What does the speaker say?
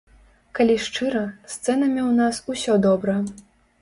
Калі шчыра, з цэнамі ў нас усё добра.